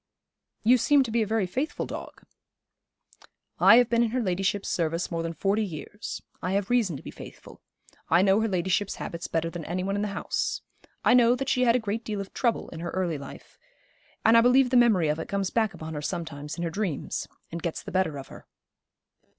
'You seem to be a very faithful dog.' 'I have been in her ladyship's service more than forty years. I have reason to be faithful. I know her ladyship's habits better than any one in the house. I know that she had a great deal of trouble in her early life, and I believe the memory of it comes back upon her sometimes in her dreams, and gets the better of her.'